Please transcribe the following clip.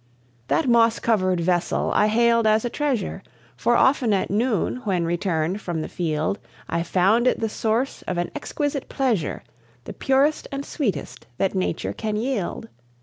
That moss covered vessel I hailed as a treasure, For often at noon, when returned from the field, I found it the source of an exquisite pleasure, The purest and sweetest that nature can yield.